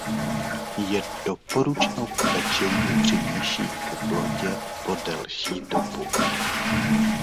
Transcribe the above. Je doporučeno pečení při nižší teplotě po delší dobu.